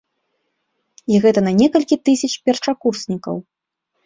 І гэта на некалькі тысяч першакурснікаў.